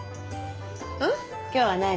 ん？今日は何？